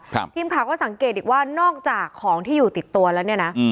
ทีมข่าวก็สังเกตอีกว่านอกจากของที่อยู่ติดตัวแล้วเนี่ยนะอืม